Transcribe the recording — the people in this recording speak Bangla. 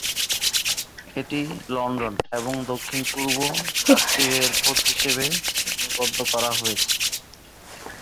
এটি লন্ডন এবং দক্ষিণ-পূর্ব যাত্রী রেলপথ হিসাবে শ্রেণীবদ্ধ করা হয়েছে।